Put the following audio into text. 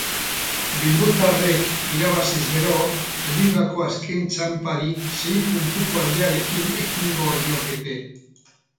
Bilbotarrek irabaziz gero, ligako azken txanpari sei puntuko aldearekin ekingo liokete.